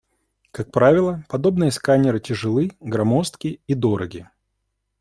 Как правило, подобные сканеры тяжелы, громоздки и дороги.